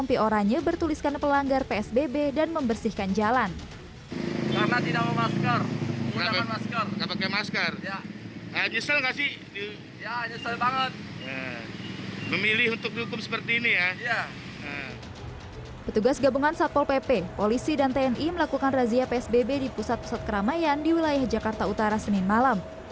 petugas gabungan satpol pp polisi dan tni melakukan razia psbb di pusat pusat keramaian di wilayah jakarta utara senin malam